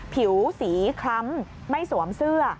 ผิวสีคล้ำไม่สวมเสื้อ